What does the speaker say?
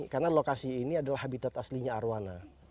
karena lokasi ini adalah habitat aslinya arwana